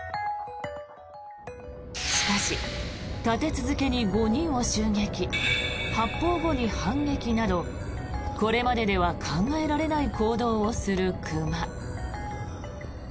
しかし、立て続けに５人を襲撃発砲後に反撃などこれまででは考えられない行動をする熊。